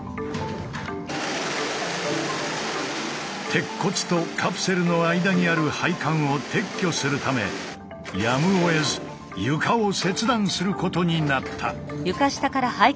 鉄骨とカプセルの間にある配管を撤去するためやむをえず床を切断することになった。